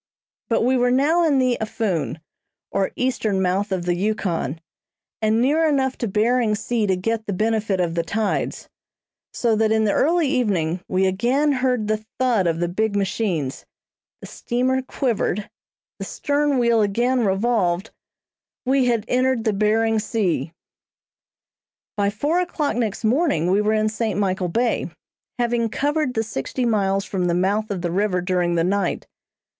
But we were now in the Aphoon, or eastern mouth of the Yukon, and near enough to Behring Sea to get the benefit of the tides; so that in the early evening we again heard the thud of the big machines, the steamer quivered, the stern wheel again revolved, we had entered the Behring Sea! By four o'clock next morning we were in St. Michael Bay, having covered the sixty miles from the mouth of the river during the night.